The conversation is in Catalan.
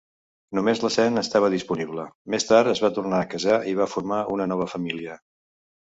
Només la Sen estava disponible; més tard es va tornar a casar i va formar una nova família.